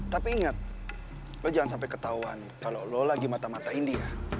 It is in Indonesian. tapi ingat lo jangan sampai ketahuan kalau lo lagi mata mata india